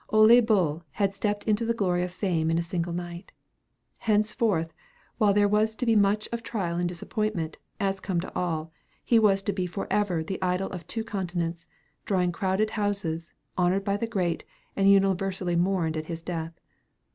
Ole Bull had stepped into the glory of fame in a single night. Henceforth, while there was to be much of trial and disappointment, as come to all, he was to be forever the idol of two continents, drawing crowded houses, honored by the great, and universally mourned at his death.